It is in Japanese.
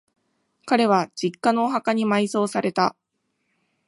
彼は、実家のお墓に埋葬された。